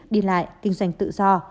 dành lại kinh doanh tự do